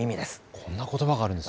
こんなことばがあるんですね。